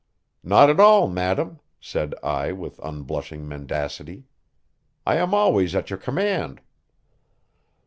"Not at all, madam," said I with unblushing mendacity. "I am always at your command."